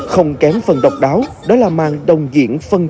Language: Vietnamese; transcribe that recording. không kém phần độc đáo đó là mang đồng diễn phân trình